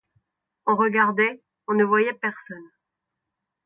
On regardait, on ne voyait personne.